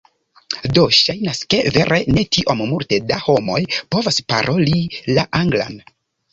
Do ŝajnas ke, vere ne tiom multe da homoj povas paroli la Anglan.